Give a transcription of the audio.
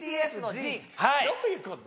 どういうこと？